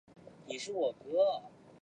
巴苏埃。